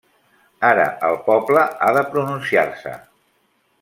Ara el poble ha de pronunciar-se.